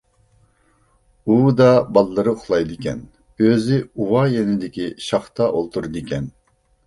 ئۇۋىدا بالىلىرى ئۇخلايدىكەن، ئۆزى ئۇۋا يېنىدىكى شاختا ئولتۇرىدىكەن.